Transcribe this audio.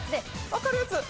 分かるやつ。